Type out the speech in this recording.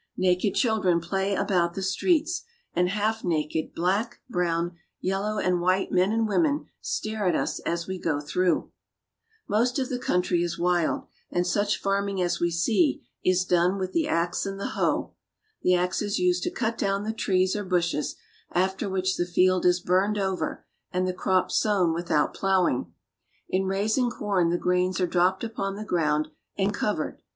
Naked children play about the streets, and half naked black, brown, yellow, and white men and women stare at us as we go through. Vu^/ Cotton Cart. Most of the country is wild, and such farming as we see* is done with the ax and the hoe. The ax is used to cut down the trees or bushes, after which the field is burned over, and the crops sown without plowing. In raising corn the grains are dropped upon the ground and covered.